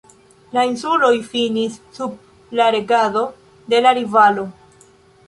La insuloj finis sub la regado de la rivalo.